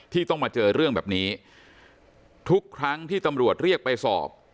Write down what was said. ต้องมาเจอเรื่องแบบนี้ทุกครั้งที่ตำรวจเรียกไปสอบ